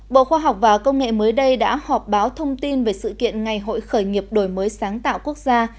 bộ khoa học và công nghệ mới đây đã họp báo thông tin về sự kiện ngày hội khởi nghiệp đổi mới sáng tạo quốc gia